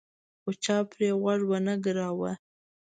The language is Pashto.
خو چا پرې غوږ ونه ګراوه.